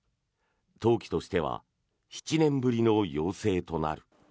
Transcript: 冬季としては７年ぶりの要請となる。